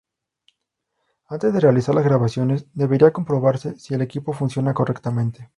Antes de realizar las grabaciones, debería comprobarse si el equipo funciona correctamente.